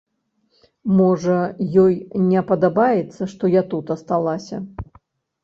Можа, ёй не падабаецца, што я тут асталася?